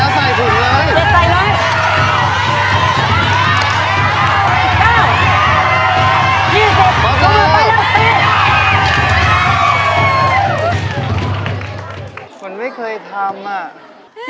สวัสดีครับ